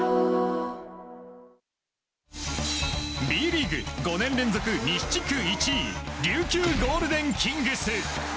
Ｂリーグ５年連続西地区１位琉球ゴールデンキングス。